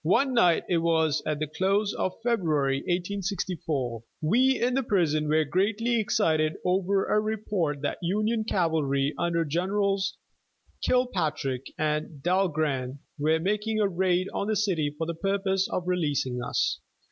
One night, it was at the close of February, 1864, we in the prison were greatly excited over a report that Union cavalry under Generals Kilpatrick and Dahlgren were making a raid on the city for the purpose of releasing us.